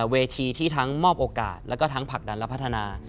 เวทีที่ทั้งมอบโอกาสแล้วก็ทั้งผลักดันและพัฒนา